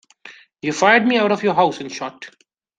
You fired me out of your house, in short.